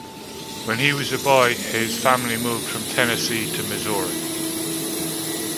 When he was a boy, his family moved from Tennessee to Missouri.